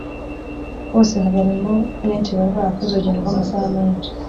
bose harimo benshi bari bakoze urugendo rw’amasaha menshi